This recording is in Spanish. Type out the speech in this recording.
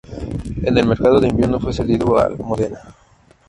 En el mercado de invierno fue cedido al Modena.